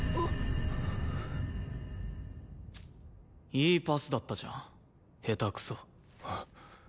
いいパスだったじゃんヘタクソ。